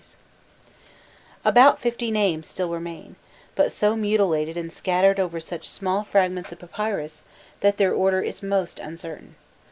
jpg LISTS ON THE MONUMENTS] About fifty names still remain, but so mutilated and scattered over such small fragments of papyrus, that their order is most uncertain.